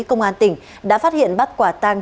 công an tỉnh đã phát hiện bắt quả tang